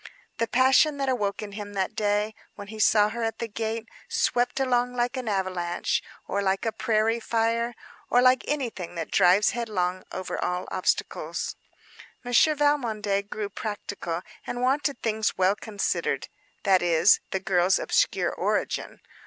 The passion that awoke in him that day, when he saw her at the gate, swept along like an avalanche, or like a prairie fire, or like anything that drives headlong over all obstacles. Monsieur Valmondé grew practical and wanted things well considered: that is, the girl's obscure origin.